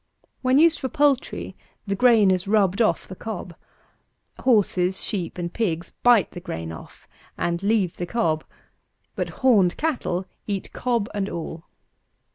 When used for poultry, the grain is rubbed off the cob. Horses, sheep, and pigs, bite the grain off, and leave the cob; but horned cattle eat cob and all.